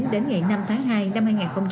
đến ngày năm tháng hai năm hai nghìn hai mươi